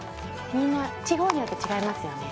みんな地方によって違いますよね